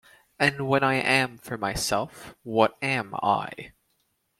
And when I am for myself, what am 'I'?